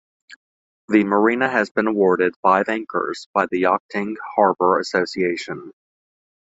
The Marina has been awarded Five Anchors by the Yachting Harbour Association.